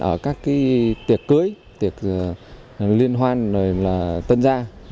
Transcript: ở các tuyệt cưới liên hoan tân gia